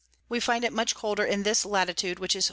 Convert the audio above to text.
We find it much colder in this Lat. which is 43.